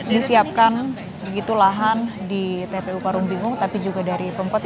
disiapkan begitu lahan di tpu parungbingung tapi juga dari pemkotnya